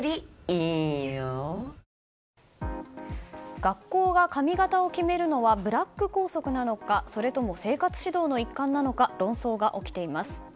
学校が髪形を決めるのはブラック校則なのかそれとも生活指導の一環なのか論争が起きています。